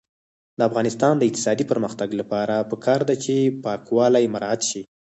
د افغانستان د اقتصادي پرمختګ لپاره پکار ده چې پاکوالی مراعات شي.